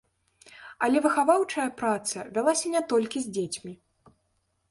Але выхаваўчая праца вялася не толькі з дзецьмі.